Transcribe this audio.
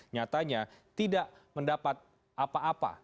nyatanya tidak mendapat apa apa